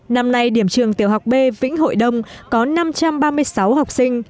năm nay điểm trường tiểu học b vĩnh hội đông có năm trăm ba mươi sáu học sinh